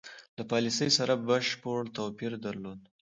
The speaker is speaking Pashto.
له پالیسی سره بشپړ توپیر درلود.